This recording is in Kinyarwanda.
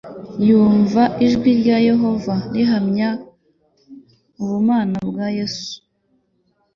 Yumva ijwi rya Yehova rihamya ubumana bwa Yesu